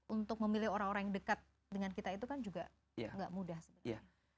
untuk memilih orang orang yang dekat dengan kita itu kan juga nggak mudah sebenarnya